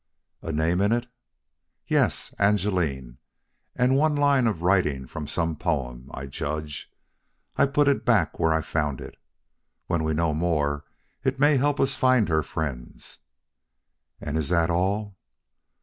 "A name in it?" "Yes Angeline; and one line of writing from some poem, I judge. I put it back where I found it. When we know more, it may help us to find her friends." "And is that all?"